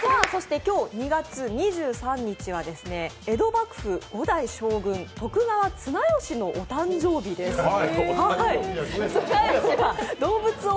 そして今日、２月２３日は江戸幕府５代将軍、徳川綱吉のお誕生日です。